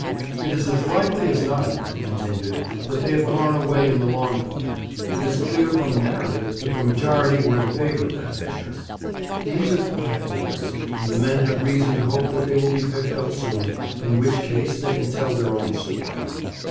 'It is as likely as not,' he continued, 'that they have gone away in the long boat. It is clear, from the narrative, that the majority were in favour of that measure. These are quiet waters, and the men have reason to hope that they will be picked up soon, in which case they can tell their own story.'